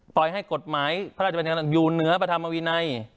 ปล่อยให้กฎหมายพระราชบัญญัติอยู่เหนือพระธรรมวินัย